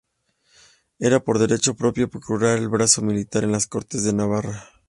Era por derecho propio procurador del brazo militar en las Cortes de Navarra.